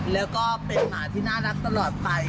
แล้วก็เป็นหมาที่น่ารักตลอดไป